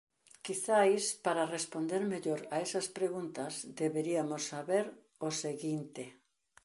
Quizais, para responder mellor a esas preguntas, deberiamos saber o seguinte: